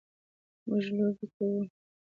موږ لوبې کوو.